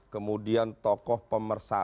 kemudian tokoh pemersatu